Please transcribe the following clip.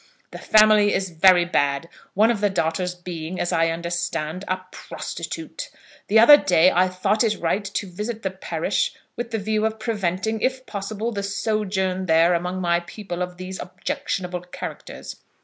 The family is very bad, one of the daughters being, as I understand, a prostitute. The other day I thought it right to visit the parish with the view of preventing, if possible, the sojourn there among my people of these objectionable characters.